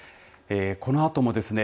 このあともですね